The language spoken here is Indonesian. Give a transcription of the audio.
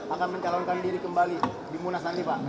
akan mencalonkan diri kembali di munas nanti pak